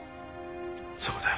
そうだよ。